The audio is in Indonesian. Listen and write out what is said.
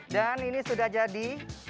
dan ini sudah jadi